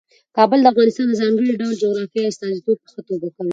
کابل د افغانستان د ځانګړي ډول جغرافیې استازیتوب په ښه توګه کوي.